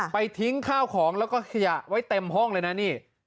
ไปทิ้งข้าวของแล้วก็ขยะไว้เต็มห้องเลยนะนี่